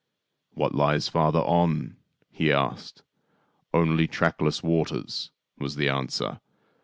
" What lies farther on ?" he asked. " Only trackless waters," was the answer.